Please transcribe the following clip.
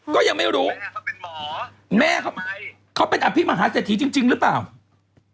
ก็ยังไม่รู้เค้าเป็นอภิมฮาเศรษฐีจริงหรือเปล่าแม่เขาเป็นหมอ